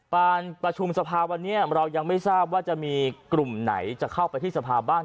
การประชุมสภาวันนี้เรายังไม่ทราบว่าจะมีกลุ่มไหนจะเข้าไปที่สภาบ้าง